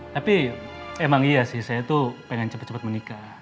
tapi emang iya sih saya tuh pengen cepat cepat menikah